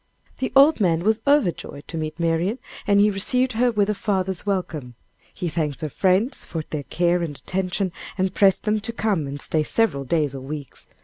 The old man was overjoyed to meet Marian, and he received her with a father's welcome. He thanked her friends for their care and attention, and pressed them to come and stay several days or weeks.